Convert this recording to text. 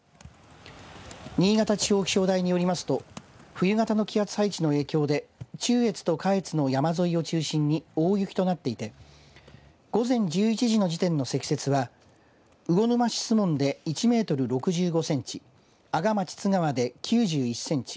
新潟地方気象台によりますと冬型の気圧配置の影響で中越と下越の山沿いを中心に大雪となっていて午前１１時の時点の積雪は魚沼市守門で１メートル６５センチ阿賀町津川で９１センチ